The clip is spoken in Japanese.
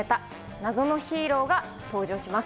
謎のヒーローが登場します。